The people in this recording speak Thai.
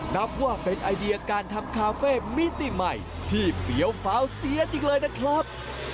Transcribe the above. นับว่าเป็นไอเดียการทำคาเฟ่มิติใหม่ที่เปรี้ยวฟ้าวเสียจริงเลยนะครับ